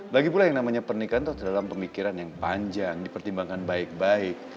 lagipula yang namanya pernikahan tuh dalam pemikiran yang panjang dipertimbangkan baik baik